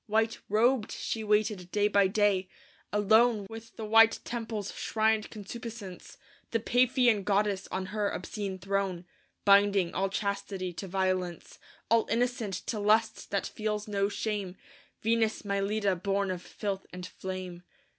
White robed she waited day by day; alone With the white temple's shrined concupiscence, The Paphian goddess on her obscene throne, Binding all chastity to violence, All innocent to lust that feels no shame Venus Mylitta born of filth and flame.